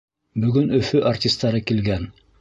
Бөгөн Өфө артистары килгән.